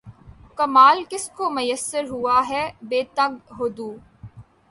کمال کس کو میسر ہوا ہے بے تگ و دو